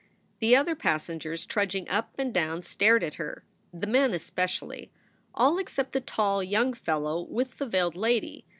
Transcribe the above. The other passengers trudging up and down stared at her the men especially all except the tall young fellow with the veiled lady.